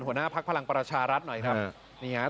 หัวหน้าภักดิ์พลังประชารัฐหน่อยครับ